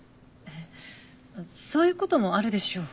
そういう事もあるでしょう。